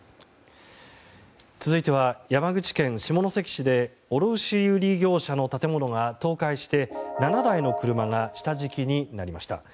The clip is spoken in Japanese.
続いては山口県下関市で卸売業者の建物が倒壊して７台の車が下敷きになりました。